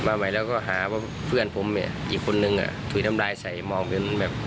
มาใหม่แล้วก็หาว่าเพื่อนผมเนี่ยอีกคนนึงอ่ะถุยน้ำลายใส่มองเป็นแบบ